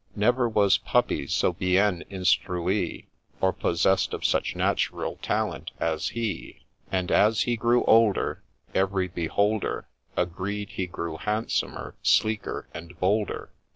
Never was puppy so bien instruit, Or possess'd of such natural talent as he ; And as he grew older, Every beholder Agreed he grew handsomer, sleeker, and bolder.